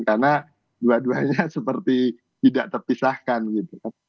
karena dua duanya seperti tidak terpisahkan gitu kan